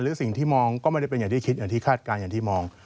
สิ่งที่มองก็ไม่ได้เป็นอย่างที่คิดอย่างที่คาดการณ์อย่างที่มอง